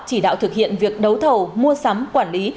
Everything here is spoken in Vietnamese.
chỉ đạo thực hiện việc đấu thầu mua sắm quản lý